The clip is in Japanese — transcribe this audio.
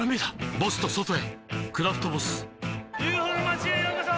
ボスと外へ「クラフトボス」ＵＦＯの町へようこそ！